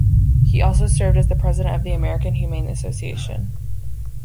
He also served as the president of the American Humane Association.